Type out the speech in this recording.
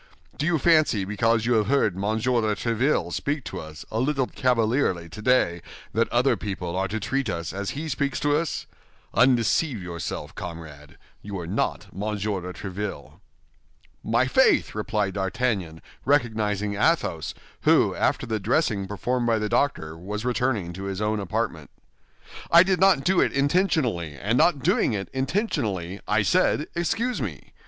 Do you fancy because you have heard Monsieur de Tréville speak to us a little cavalierly today that other people are to treat us as he speaks to us? Undeceive yourself, comrade, you are not Monsieur de Tréville." "My faith!" replied D'Artagnan, recognizing Athos, who, after the dressing performed by the doctor, was returning to his own apartment. "I did not do it intentionally, and not doing it intentionally, I said 'Excuse me.